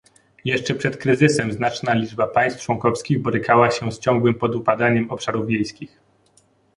Jeszcze przed kryzysem znaczna liczba państw członkowskich borykała się z ciągłym podupadaniem obszarów wiejskich